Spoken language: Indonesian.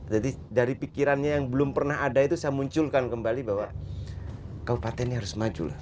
jadi dari pikirannya yang belum pernah ada itu saya munculkan kembali bahwa kabupaten ini harus maju